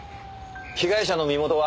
被害者の身元は？